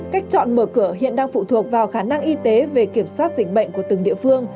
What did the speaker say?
cách chọn mở cửa hiện đang phụ thuộc vào khả năng y tế về kiểm soát dịch bệnh của từng địa phương